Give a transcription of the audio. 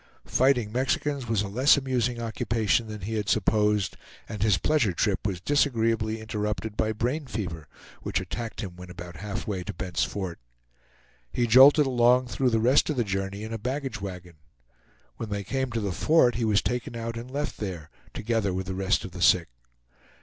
Fighting Mexicans was a less amusing occupation than he had supposed, and his pleasure trip was disagreeably interrupted by brain fever, which attacked him when about halfway to Bent's Fort. He jolted along through the rest of the journey in a baggage wagon. When they came to the fort he was taken out and left there, together with the rest of the sick.